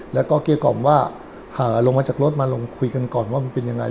แล้วก็เกลี้ยกล่อมว่าลงมาจากรถมาลงคุยกันก่อนว่ามันเป็นยังไง